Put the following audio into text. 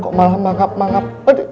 kok malah manggap manggap